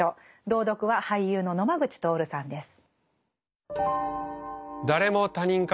朗読は俳優の野間口徹さんです。